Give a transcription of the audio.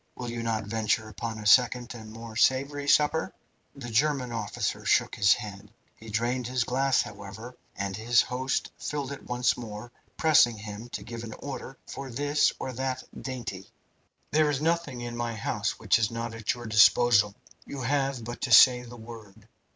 Will you not venture upon a second and more savoury supper?" The German officer shook his head. He drained the glass, however, and his host filled it once more, pressing him to give an order for this or that dainty. "There is nothing in my house which is not at your disposal. You have but to say the word.